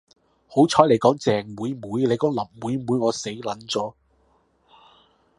好彩妳講鄭妹妹，妳講林妹妹我死 𨶙 咗